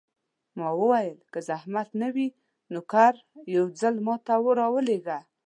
ما وویل: که زحمت نه وي، نوکر یو ځل ما ته راولېږه.